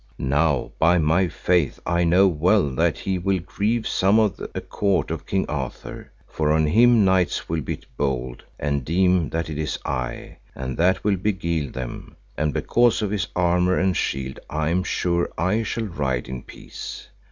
Now by my faith I know well that he will grieve some of the court of King Arthur; for on him knights will be bold, and deem that it is I, and that will beguile them. And because of his armour and shield I am sure I shall ride in peace.